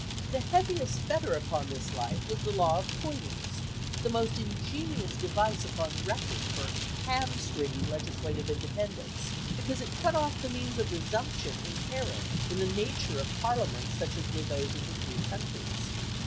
The heaviest fetter upon this life was the Law of Poynings; the most ingenious device upon record for hamstringing legislative independence, because it cut off the means of resumption inherent in the nature of Parliaments such as were those of the three countries.